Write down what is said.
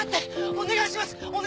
お願いします！